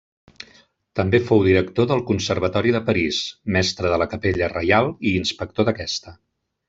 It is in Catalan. També fou director del Conservatori de París, mestre de la Capella Reial i inspector d'aquesta.